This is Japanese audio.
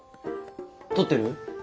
取ってる？